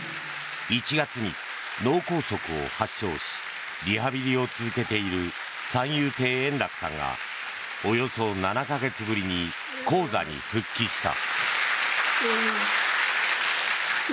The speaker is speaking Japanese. １月に脳梗塞を発症しリハビリを続けている三遊亭円楽さんがおよそ７か月ぶりに高座に復帰した。